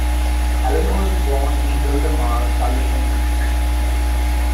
Allen was born in Wildomar, California.